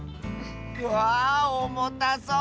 わあおもたそう。